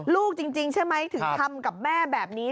ลูกจริงใช่ไหมถึงทำกับแม่แบบนี้